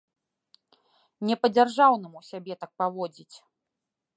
Не па-дзяржаўнаму сябе так паводзіць!